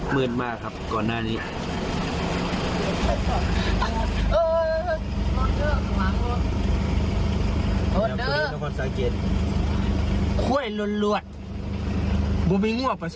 มืดมากครับก่อนหน้านี้